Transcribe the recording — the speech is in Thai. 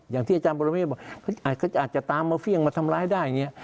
อย่างที่อาจารย์ปรเมฆบอกอาจจะตามมาเฟี่ยงมาทำร้ายได้อย่างนี้